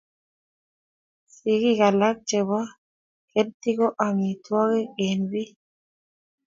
chikik alak chebo kertii ko amitwokik en biik